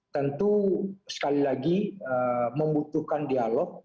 tentu sekali lagi membutuhkan dialog